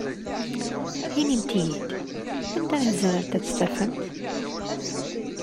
Inimt-iyi-id, anda i tzemremt ad t-tafemt?